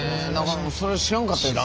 それは知らんかったですね。